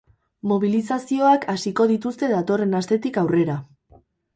Mobilizazioak hasiko dituzte datorren astetik aurrera.